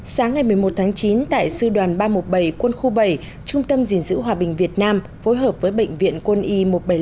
sáng ngày một mươi một tháng chín tại sư đoàn ba trăm một mươi bảy quân khu bảy trung tâm gìn giữ hòa bình việt nam phối hợp với bệnh viện quân y một trăm bảy mươi năm